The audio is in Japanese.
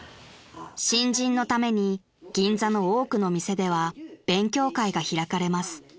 ［新人のために銀座の多くの店では勉強会が開かれます］